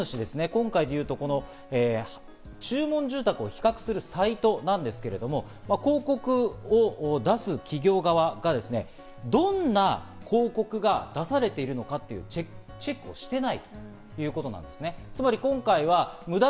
今回で言うと注文住宅を比較するサイトなんですけれども、広告を出す企業側がですね、どんな広告が出されているのかというチェックをしていないということなんですね。